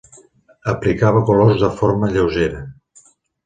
Aplicava colors de forma lleugera.